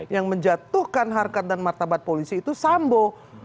yang menjatuhkan harkat dan martabat polisi itu sambo